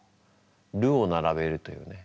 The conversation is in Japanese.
「る」を並べるというね。